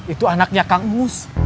itu anaknya kang mus